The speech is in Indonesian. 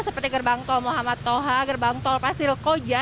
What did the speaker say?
seperti gerbang tol muhammad toha gerbang tol pasir koja